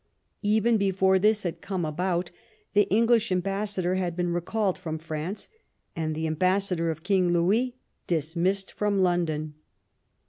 Even before this had come about the English ambassador had been recalled from France, and the ambassador of King Louis dismissed from London.